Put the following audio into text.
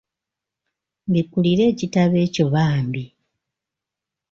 Mbikkulira ekitabo ekyo bambi.